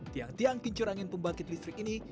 tiang tiang kincur angin pembangkit listrik ini